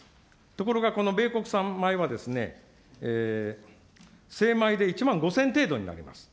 ところがこの米国産米はですね、精米で１万５０００程度になります。